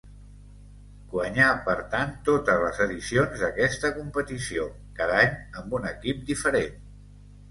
Guanyà per tant totes les edicions d'aquesta competició, cada any amb un equip diferent.